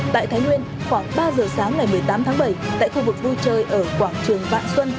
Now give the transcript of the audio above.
tại thái nguyên khoảng ba giờ sáng ngày một mươi tám tháng bảy tại khu vực vui chơi ở quảng trường vạn xuân